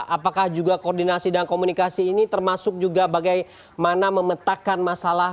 apakah juga koordinasi dan komunikasi ini termasuk juga bagaimana memetakkan masalah